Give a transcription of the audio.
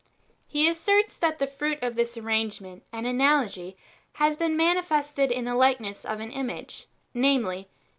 He asserts that the fruit of this arrangement and analogy has been manifested in the likeness of an image, namely.